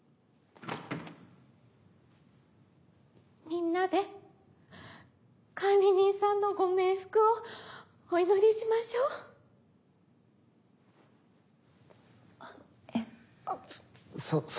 みんなで管理人さんのご冥福をお祈りしましょう？あっえっと。